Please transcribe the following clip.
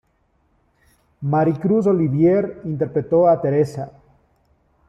Maricruz Olivier interpretó a "Teresa".